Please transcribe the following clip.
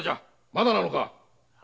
まだなのか？